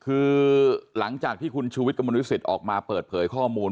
คือหลังจากที่คุณชูวิสกรมนุษฎิออกมาเปิดเผยข้อมูล